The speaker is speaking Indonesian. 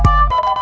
kau mau kemana